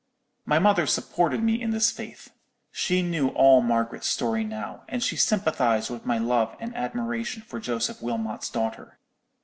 "My mother supported me in this faith. She knew all Margaret's story now, and she sympathized with my love and admiration for Joseph Wilmot's daughter.